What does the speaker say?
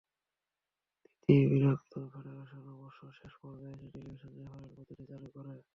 তিতিবিরক্ত federation অবশ্য শেষ পর্যায়ে এসে টেলিভিশন রেফারেল পদ্ধতি চালু করে।